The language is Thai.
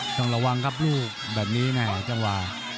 ต้องระวังครับลูกแบบนี้แม่จังหวะ